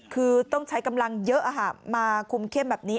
คือต้องใช้กำลังเยอะมาคุมเข้มแบบนี้